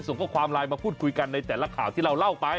ส่งข้อความไลน์มาพูดคุยกันในแต่ละข่าวที่เราเล่าไป